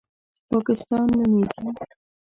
چې پاکستان نومېږي.